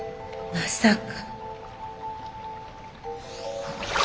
まさか！